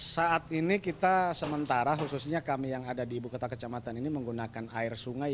saat ini kita sementara khususnya kami yang ada di ibu kota kecamatan ini menggunakan air sungai